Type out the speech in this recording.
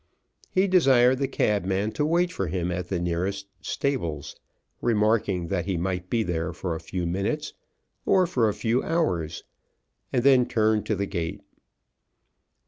He desired the cabman to wait for him at the nearest stables, remarking that he might be there for a few minutes, or for a few hours, and then turned to the gate.